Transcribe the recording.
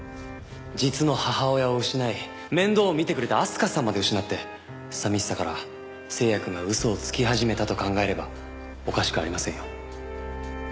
実の母親を失い面倒を見てくれた明日香さんまで失って寂しさから星也くんが嘘をつき始めたと考えればおかしくありませんよ。